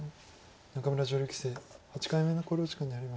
仲邑女流棋聖８回目の考慮時間に入りました。